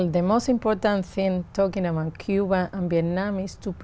để tìm ra hợp lý giữa cuba và việt nam